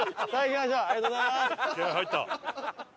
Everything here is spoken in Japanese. ありがとうございます。